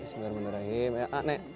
bismillahirrahmanirrahim ya nek